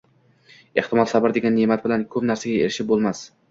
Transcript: Ehtimol sabr degan ne’mat bilan ko’p narsaga erishib bo’lmas